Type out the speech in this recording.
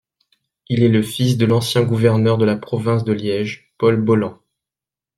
Il est le fils de l’ancien gouverneur de la province de Liège, Paul Bolland.